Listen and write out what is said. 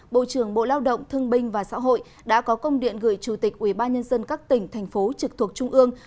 bộ trưởng bộ lao động thương binh và xã hội đã có công điện gửi chủ tịch ubnd các tỉnh thành phố trực thuộc trung ương